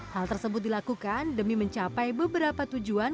hal tersebut dilakukan demi mencapai beberapa tujuan